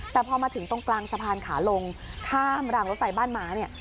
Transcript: แต่พอมาถึงตรงกลางสะพานขาลงข้ามรางรถไฟบ้านม้าเนี่ย